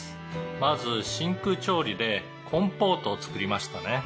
「まず真空調理でコンポートを作りましたね」